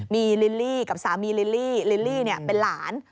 มีลิลลี่กับสามีลิลลี่ลิลลี่เป็นหลาน